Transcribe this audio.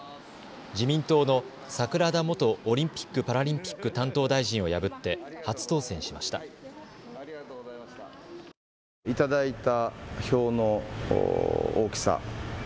自民党の桜田元オリンピック・パラリンピック担当大臣を破って初当選しました。